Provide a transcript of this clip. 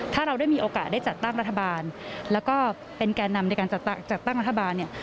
ถ้าเราได้มีโอกาสได้จัดตั้งรัฐบาลแล้วก็เป็นแก่นำในการจัดตั้งรัฐบาลเนี่ย